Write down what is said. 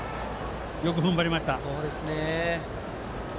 よく踏ん張りました。